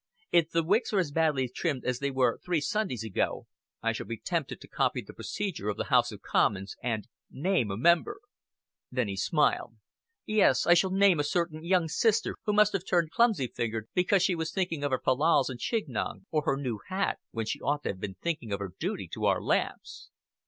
If the wicks are as badly trimmed as they were three Sundays ago, I shall be tempted to copy the procedure of the House of Commons, and name a member." Then he smiled. "Yes, I shall name a certain young sister who must have turned clumsy fingered because she was thinking of her fal lals and her chignon, or her new hat, when she ought to have been thinking of her duty to our lamps."